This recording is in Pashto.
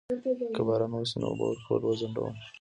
که باران وشي نو اوبه ورکول وځنډوم؟